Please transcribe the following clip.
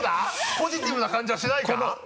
ポジティブな感じはしないか？